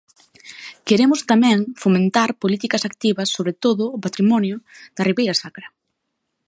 Queremos tamén fomentar políticas activas sobre todo o patrimonio da Ribeira Sacra.